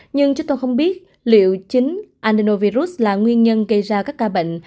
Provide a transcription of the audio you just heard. nhưng chúng tôi không biết liệu chính andenovirus là nguyên nhân gây ra các ca bệnh